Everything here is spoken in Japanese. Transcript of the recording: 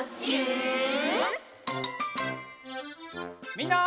みんな。